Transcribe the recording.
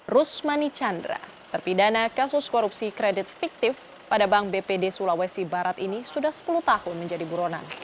rusmani chandra terpidana kasus korupsi kredit fiktif pada bank bpd sulawesi barat ini sudah sepuluh tahun menjadi buronan